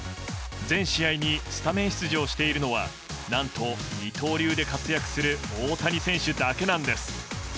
全試合にスタメン出場しているのは何と二刀流で活躍する大谷選手だけなんです。